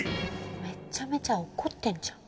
めちゃめちゃ怒ってんじゃん。